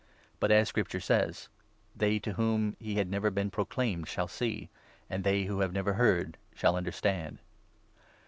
But as Scripture says — 21 ' They to whom he had never been proclaimed shall see ; And they who have never heard shall understand